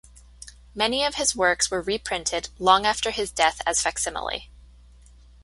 Many of his works were reprinted long after his death as facsimile.